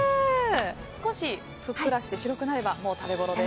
少しふっくらして白くなればもう食べごろです。